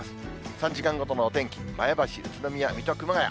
３時間ごとのお天気、前橋、宇都宮、水戸、熊谷。